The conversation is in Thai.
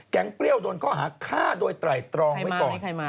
แกงเปรี้ยวโดนก็หาค่าโดยไตร่ตรองไม่ป่อน